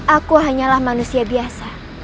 aku hanyalah manusia biasa